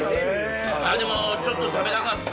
でもちょっと食べたかった。